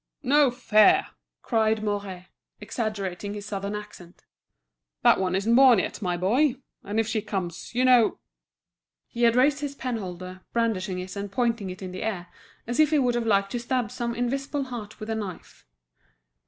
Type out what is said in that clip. "No fear," cried Mouret, exaggerating his Southern accent. "That one isn't born yet, my boy. And if she comes, you know—" He had raised his penholder, brandishing it and pointing it in the air, as if he would have liked to stab some invisible heart with a knife.